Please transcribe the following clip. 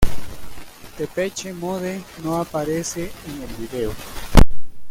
Depeche Mode no aparece en el video.